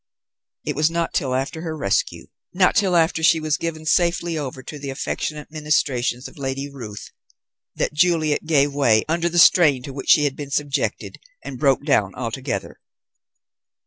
It was not till after her rescue, not till after she was given safely over to the affectionate ministrations of Lady Ruth, that Juliet gave way under the strain to which she had been subjected, and broke down altogether.